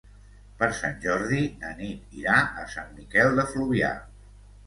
Per Sant Jordi na Nit irà a Sant Miquel de Fluvià.